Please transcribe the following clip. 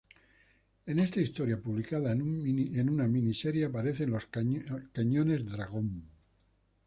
En esta historia publicada en una miniserie aparece los Cañones Dragón.